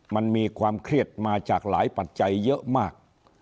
มันมีความเครียดมาจากหลายปัจจัยเยอะมาก